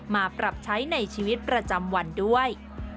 มาปรับใช้ในชีวิตประจำวันด้วย